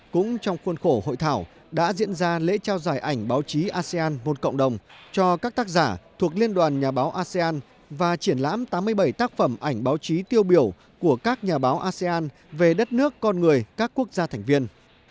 cũng trong khuôn khổ hội thảo đã diễn ra lễ trao giải ảnh báo chí asean một cộng đồng cho các tác giả thuộc liên đoàn nhà báo asean và triển lãm tám mươi bảy tác phẩm ảnh báo chí tiêu biểu của các nhà báo asean về đất nước con người các quốc gia thành viên